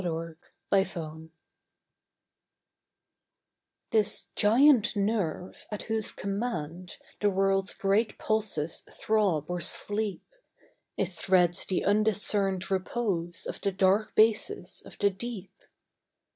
The Atlantic Cable This giant nerve, at whose command The world's great pulses throb or sleep, It threads the undiscerned repose Of the dark bases of the deep.